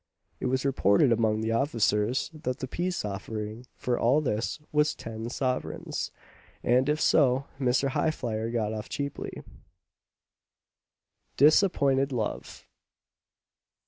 It was reported among the officers that the peace offering for all this was ten sovereigns; and if so, Mr. Highflyer got off cheaply. DISAPPOINTED LOVE.